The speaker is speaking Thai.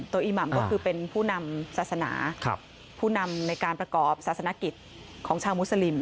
อีหม่ำก็คือเป็นผู้นำศาสนาผู้นำในการประกอบศาสนกิจของชาวมุสลิม